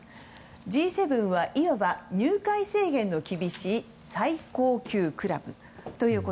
Ｇ７はいわば入会制限の厳しい最高級クラブと。